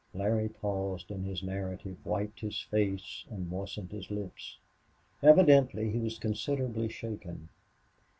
Larry paused in his narrative, wiped his face, and moistened his lips. Evidently he was considerably shaken.